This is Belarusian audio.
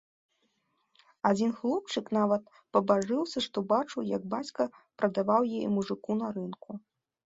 Адзін хлопчык нават пабажыўся, што бачыў, як бацька прадаваў яе мужыку на рынку.